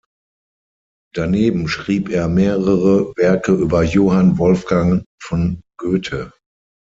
Daneben schrieb er mehrere Werke über Johann Wolfgang von Goethe.